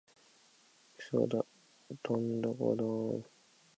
嘘だドンドコドーン！